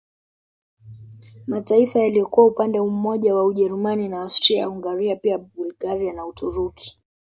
Mataifa yaliyokuwa upande mmoja ni Ujerumani na Austria Hungaria pia Bulgaria na Uturuki